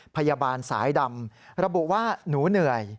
พยาบาลสายดำระบุว่าหนูเหนื่อย